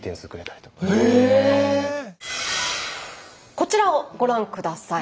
こちらをご覧下さい。